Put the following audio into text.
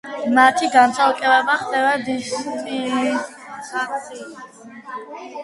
მათი განცალკევება ხდება დისტილაციით.